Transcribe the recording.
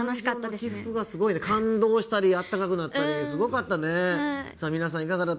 感情の起伏がすごくて感動したりあったかくなったりすごかったね。